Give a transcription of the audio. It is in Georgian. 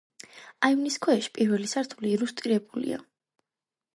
აივნის ქვეშ პირველი სართული რუსტირებულია.